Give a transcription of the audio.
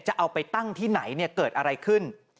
จะเอาไปตั้งที่ไหนเกิดอะไรขึ้น